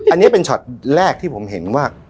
อันนี้เป็นช็อตแรกที่ผมเห็นว่า